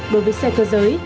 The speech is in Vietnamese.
đối với xe cơ giới